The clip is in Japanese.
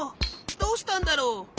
どうしたんだろう？